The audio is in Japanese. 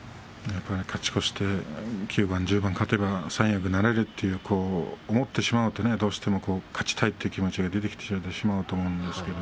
勝ち越して９番１０番勝てば三役なれると思ってしまうとどうしても勝ちたい気持ちが出てきてしまうと思うんですけれど。